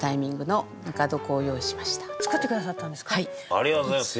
ありがとうございます。